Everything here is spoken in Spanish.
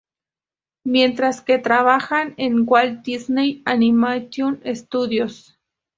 Mientras que trabajan en Walt Disney Animation Studios.